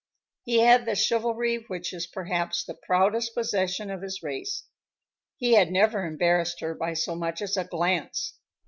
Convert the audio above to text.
He had the chivalry which is perhaps the proudest possession of his race. He had never embarrassed her by so much as a glance.